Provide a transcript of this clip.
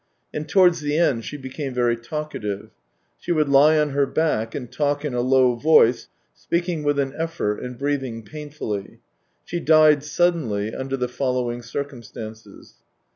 And towards the end she became very talkative. She would lie on her back and talk in a low voice, speaking with an effort and breath ing painfully. She died suddenly under the following circumstances.